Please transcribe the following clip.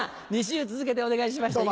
２週続けてお願いしました。